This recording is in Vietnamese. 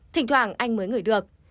thỉnh thoảng anh mới ngửi được